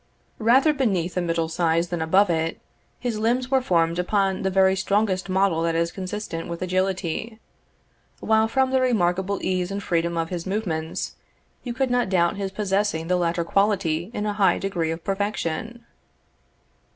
Rather beneath the middle size than above it, his limbs were formed upon the very strongest model that is consistent with agility, while from the remarkable ease and freedom of his movements, you could not doubt his possessing the latter quality in a high degree of perfection.